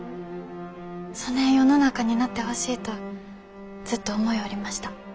そねえ世の中になってほしいとずっと思ようりました。